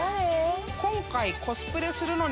今回。